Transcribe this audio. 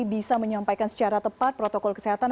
bisa menyampaikan secara tepat protokol kesehatan